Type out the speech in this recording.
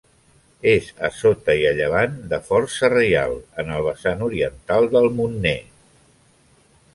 És a sota i a llevant de Força Reial, en el vessant oriental del Montner.